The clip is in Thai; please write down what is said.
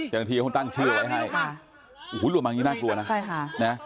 ใจงะทีให้คุณตั้งชื่อไว้ให้หูหูหูหลังทีน่ากลัวนะใช่ค่ะน่ะ